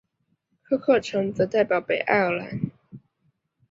科克城则代表北爱尔兰。